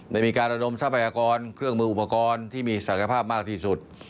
ได้มีการระดมทรัพยากรเครื่องมืออุปกรณ์ที่มีศักยภาพมากที่สุด